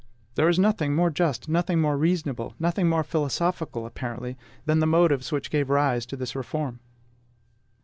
There is nothing more just, nothing more reasonable, nothing more philosophical apparently, than the motives which gave rise to this reform.